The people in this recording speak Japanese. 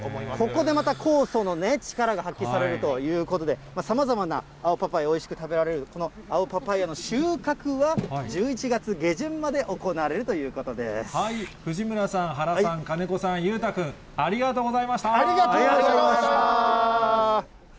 ここでまた酵素の力が発揮されるということで、さまざまなパパイヤ、おいしく食べられるこの青パパイヤの収穫は１１月下旬まで行われ藤村さん、原さん、金子さん、ありがとうございました。